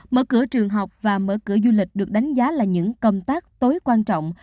mở cửa trường học và mở cửa du lịch được đánh giá là những công tác tối quan trọng